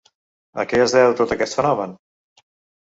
A què es deu, tot aquest fenomen?